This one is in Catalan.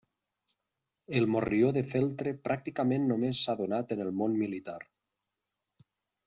El morrió de feltre pràcticament només s'ha donat en el món militar.